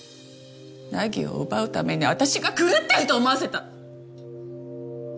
凪を奪うために私が狂ってると思わせた。